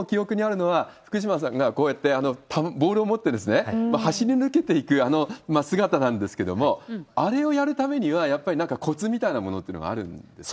われわれも記憶にあるのは、福島さんがこうやってボールを持って、走り抜けていくあの姿なんですけれども、あれをやるためには、やっぱりなんかこつみたいなものってあるんですか？